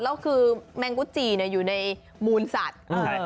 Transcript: แล้วคือแมงกุจีอยู่ในมูลสัตว์